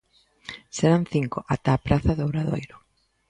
Serán cinco ata a praza do Obradoiro.